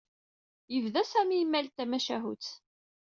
Yebda Sami yemmal-d tamacahut.